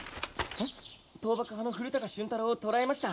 倒幕派の古高俊太郎を捕らえました。